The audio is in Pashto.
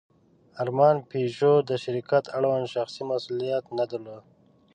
ارمان پيژو د شرکت اړوند شخصي مسوولیت نه درلود.